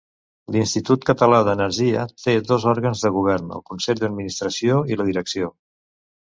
L'Institut Català d'Energia té dos òrgans de govern: el Consell d'Administració i la Direcció.